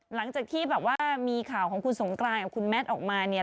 หลังจากที่แบบว่ามีข่าวของคุณสงกรานกับคุณแมทออกมาเนี่ย